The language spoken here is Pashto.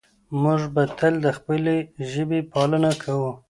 موږ به تل د خپلې ژبې پالنه کوو.